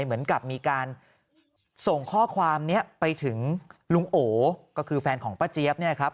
เหมือนกับมีการส่งข้อความนี้ไปถึงลุงโอก็คือแฟนของป้าเจี๊ยบเนี่ยครับ